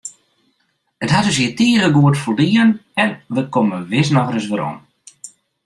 It hat ús hjir tige goed foldien en wy komme wis noch ris werom.